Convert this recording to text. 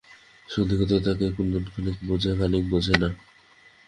সন্দিগ্ধভাবে তাকায় কুন্দ, খানিক বোঝে খানিক বোঝে না।